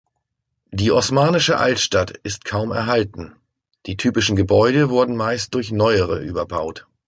Die osmanische Altstadt ist kaum erhalten; die typischen Gebäude wurden meist durch neuere überbaut.